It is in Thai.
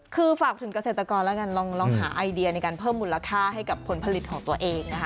คือฝากถึงเกษตรกรแล้วกันลองหาไอเดียในการเพิ่มมูลค่าให้กับผลผลิตของตัวเองนะคะ